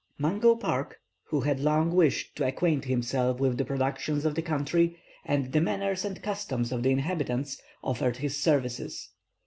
Mungo Park, who had long wished to acquaint himself with the productions of the country, and the manners and customs of the inhabitants, offered his services.